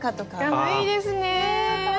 かわいいですね！